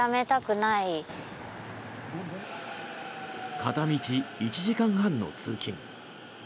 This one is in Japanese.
片道１時間半の通勤。